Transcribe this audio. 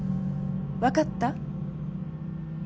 分かった？